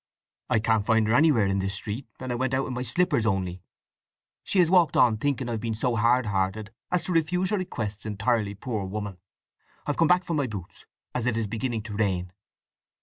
"I can't find her anywhere in this street, and I went out in my slippers only. She has walked on, thinking I've been so hard hearted as to refuse her requests entirely, poor woman. I've come back for my boots, as it is beginning to rain."